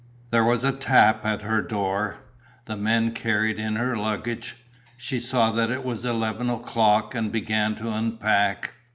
There was a tap at her door; the men carried in her luggage. She saw that it was eleven o'clock and began to unpack.